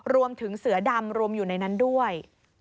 รวมถึงเสือดำรวมอยู่ในนั้นด้วย